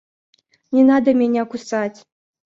Не надо меня кусать.